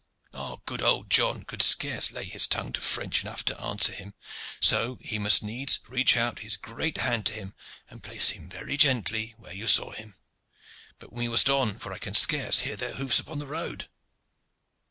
Our good old John could scarce lay his tongue to French enough to answer him, so he must needs reach out his great hand to him and place him very gently where you saw him. But we must on, for I can scarce hear their hoofs upon the road."